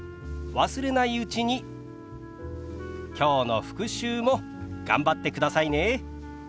忘れないうちにきょうの復習も頑張ってくださいね。